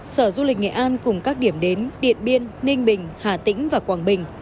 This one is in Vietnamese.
sở du lịch nghệ an cùng các điểm đến điện biên ninh bình hà tĩnh và quảng bình